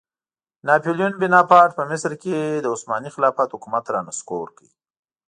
ناپیلیون بناپارټ په مصر کې د عثماني خلافت حکومت رانسکور کړ.